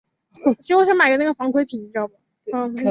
传统上它是一个并系群的分类。